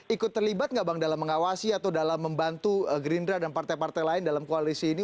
ikut terlibat nggak bang dalam mengawasi atau dalam membantu gerindra dan partai partai lain dalam koalisi ini